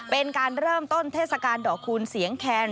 เป็นการเริ่มต้นเทศกาลดอกคูณเสียงแคน